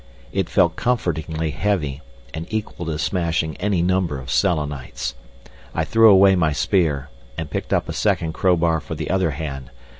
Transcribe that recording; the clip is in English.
It felt comfortingly heavy, and equal to smashing any number of Selenites. I threw away my spear, and picked up a second crowbar for the other hand.